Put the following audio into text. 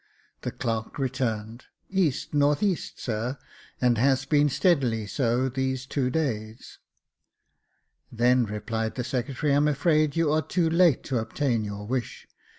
The clerk returned. "E.N.E., sir, and has been steadily so these two days." " Then," replied the secretary, " I am afraid you are too late to obtain your wish.